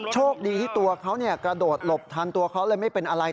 โชคดีที่ตัวเขากระโดดหลบทันตัวเขาเลยไม่เป็นอะไร